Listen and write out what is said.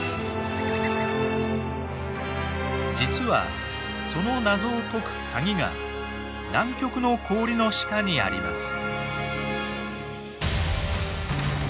実はその謎を解くカギが南極の氷の下にあります。